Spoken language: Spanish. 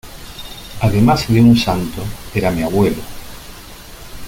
además de un santo, era mi abuelo.